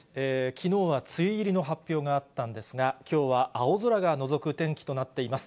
きのうは梅雨入りの発表があったんですが、きょうは青空がのぞく天気となっています。